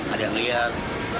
ada yang lihat